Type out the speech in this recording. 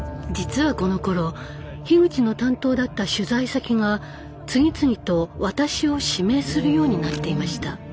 実はこのころ樋口の担当だった取材先が次々と私を指名するようになっていました。